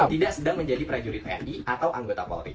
enam tidak sedang menjadi prajurit pni atau anggota polri